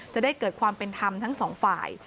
จะได้เกิดความเป็นธรรมทั้งสองฝ่าย